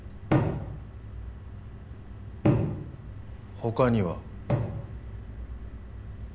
他には？